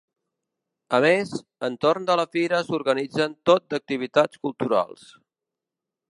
A més, entorn de la fira s’organitzen tot d’activitats culturals.